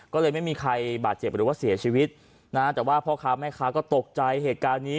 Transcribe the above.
ก็เลยไม่มีใครบาดเจ็บหรือว่าเสียชีวิตนะฮะแต่ว่าพ่อค้าแม่ค้าก็ตกใจเหตุการณ์นี้